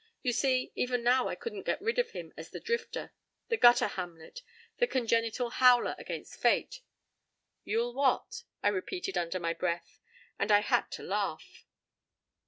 You see, even now I couldn't get rid of him as the drifter, the gutter Hamlet, the congenital howler against fate. "You'll what?" I repeated under my breath, and I had to laugh.